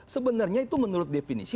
sebenarnya itu menurut definisi